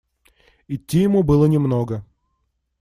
Идти ему было немного.